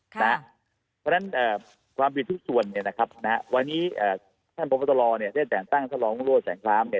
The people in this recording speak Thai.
เพราะฉะนั้นความผิดทุกส่วนวันนี้ท่านประมาทธรรมได้แจ่งตั้งทรรองโลศัลย์แสงคล้ำ